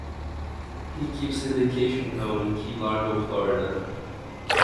He keeps a vacation home in Key Largo, Florida.